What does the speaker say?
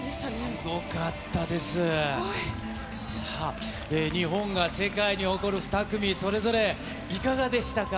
すごい！さあ、日本が世界に誇る２組、それぞれいかがでしたか。